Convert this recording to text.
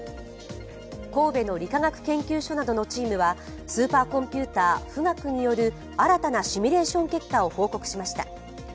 神戸の理化学研究所などのチームは、スーパーコンピューター、富岳による新たなシミュレーション結果を報告しました。